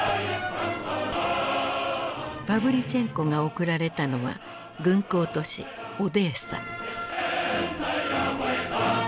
パヴリチェンコが送られたのは軍港都市オデーサ。